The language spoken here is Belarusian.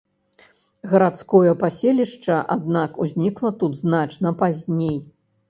Гарадское паселішча, аднак, узнікла тут значна пазней.